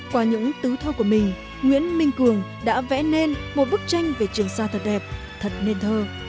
qua những tứ thơ của mình nguyễn minh cường đã vẽ nên một bức tranh về trường sa thật đẹp thật nền thơ